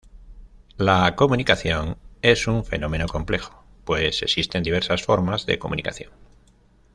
La comunicación es un fenómeno complejo, pues existen diversas formas de comunicación.